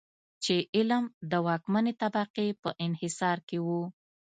چې علم د واکمنې طبقې په انحصار کې و.